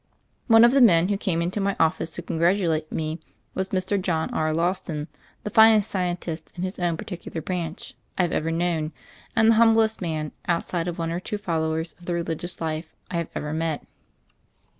One of the men who came into my office to congratulate me was Mr. John R. Lawson, the finest scientist, in his own particular branch, I have ever known, and the humblest man, outside of one or two followers of the religious life, I have ever met.